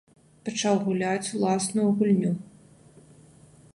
Пачаў гуляць уласную гульню.